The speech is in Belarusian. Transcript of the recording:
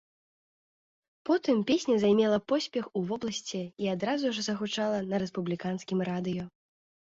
Потым песня займела поспех у вобласці і адразу ж загучала на рэспубліканскім радыё.